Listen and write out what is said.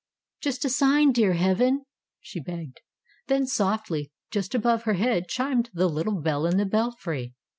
''Just a sign, dear Heaven," she begged. Then softly, just above her head chimed the little bell in the belfry.